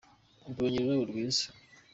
Mbonye ururabo rwiza.